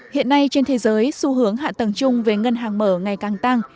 hiện nay trên thế giới xu hướng hạ tầng chung với ngân hàng mở ngày càng tăng